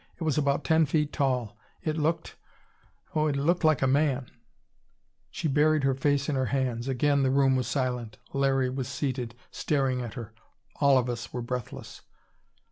It was about ten feet tall. It looked oh, it looked like a man!" She buried her face in her hands. Again the room was silent. Larry was seated, staring at her; all of us were breathless.